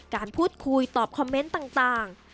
การพูดคุยตอบคอมเมนต์ต่าง